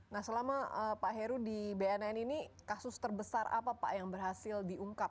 nah selama pak heru di bnn ini kasus terbesar apa pak yang berhasil diungkap